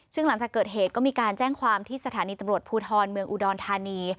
ซึ่งหลังจากเกิดเหตุก็มีการแจ้งความที่สถานีตำรวจภูทรเมืองอุดรธานี